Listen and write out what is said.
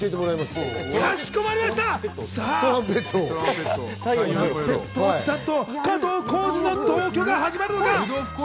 ゆうたろうさんと加藤浩次の同居が始まるのか？